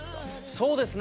そうですね